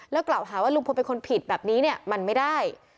กล่าวหาว่าลุงพลเป็นคนผิดแบบนี้เนี่ยมันไม่ได้